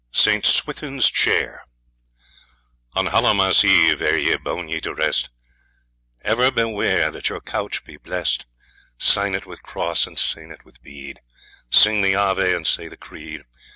Saint Swithin's Chair On Hallow Mass Eve, ere ye boune ye to rest, Ever beware that your couch be bless'd; Sign it with cross, and sain it with bead, Sing the Ave, and say the Creed.